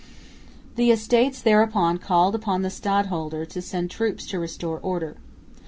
The Estates thereupon called upon the stadholder to send troops to restore order.